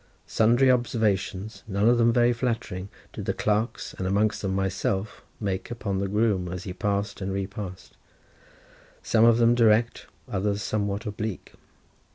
Sundry observations, none of them very flattering, did the clerks and, amongst them, myself, make upon the groom, as he passed and repassed, some of them direct, others somewhat oblique.